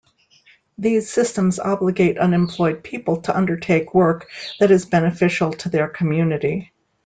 These systems obligate unemployed people to undertake work that is beneficial to their community.